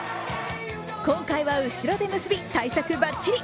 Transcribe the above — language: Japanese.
今回は後ろで結び、対策バッチリ。